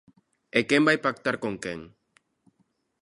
E quen vai pactar con quen.